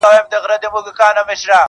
زه له فطرته عاشقي کوومه ښه کوومه,